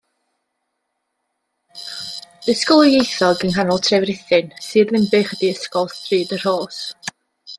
Ysgol ddwyieithog yng nghanol tref Rhuthun, Sir Ddinbych ydy Ysgol Stryd y Rhos.